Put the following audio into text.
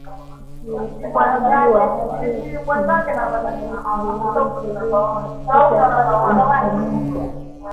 ukiukwaji wa haki ukimtaka Rais Yoweri Museveni kuhakikisha inakomeshwa